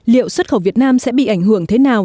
liệu xuất khẩu việt nam sẽ bị ảnh hưởng thế nào